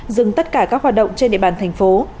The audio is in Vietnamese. dừng tất cả các hoạt động trên địa bàn thành phố